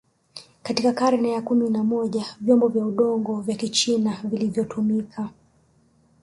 Katika karne ya kumi na moja vyombo vya udongo vya kichina vilivyotumika